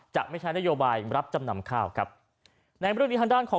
จะไม่ใช้นโยบายรับจำนำข้าวครับในเรื่องนี้ทางด้านของ